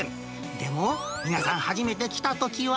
でも、皆さん、初めて来たときは。